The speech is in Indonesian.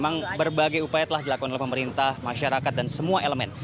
memang berbagai upaya telah dilakukan oleh pemerintah masyarakat dan semua elemen